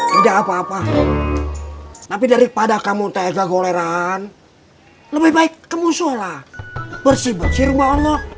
tidak apa apa tapi daripada kamu tega goleran lebih baik ke musyola bersih bersih mauloh